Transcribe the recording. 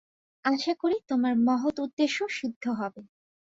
আশা করি, তোমার মহৎ উদ্দেশ্য সিদ্ধ হবে।